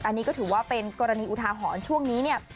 อันนี้ก็ถือว่าเป็นกรณีอุทาหรณ์ช่วงนี้เนี่ย